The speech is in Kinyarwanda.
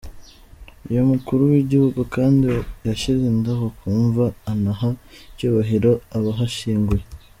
Uyu mukuru w’igihugu kandi yashyize indabo ku mva anaha icyubahiro abahashyinguye.